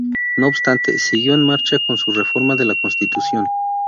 No obstante, siguió en marcha con su reforma de la Constitución.